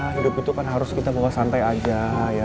hidup itu kan harus kita bawa santai aja ya